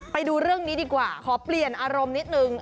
ไปดูเรื่องนี้ดีกว่าขอเปลี่ยนอารมณ์นิดนึง